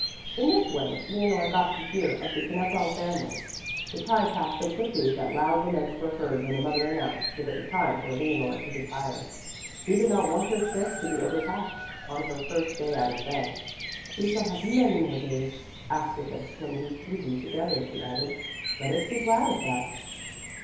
In this way Leonore got to hear of the Knippel family. The time passed so quickly that loud laments were heard when the mother announced that it was time for Leonore to retire. She did not want her strength to be overtaxed on her first day out of bed. "We shall have many more days after this when we can be together," she added. "Let us be glad of that."